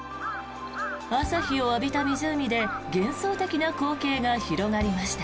朝日を浴びた湖で幻想的な光景が広がりました。